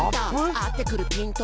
「合ってくるピント」